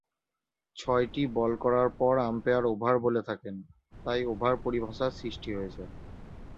ছয়টি বল করার পর আম্পায়ার ‘ওভার’ বলে থাকেন; তাই ওভার পরিভাষার সৃষ্টি হয়েছে।